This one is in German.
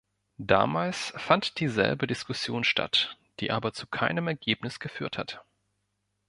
Damals fand dieselbe Diskussion statt, die aber zu keinem Ergebnis geführt hat.